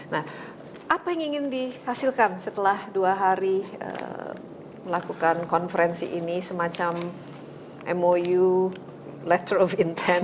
nah apa yang ingin dihasilkan setelah dua hari melakukan konferensi ini semacam mou letter of intent